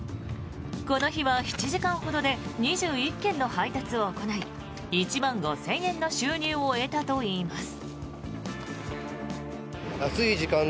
この日は７時間ほどで２１件の配達を行い１万５０００円の収入を得たといいます。